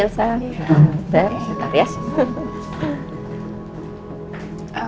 terus nanti ya